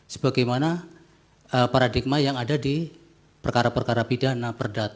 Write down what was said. sebagaimana paradigma yang ada di perkara perkara pidana perdata